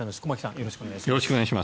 よろしくお願いします。